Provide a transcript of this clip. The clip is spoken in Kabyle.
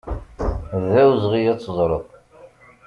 D awezɣi ad teẓreḍ.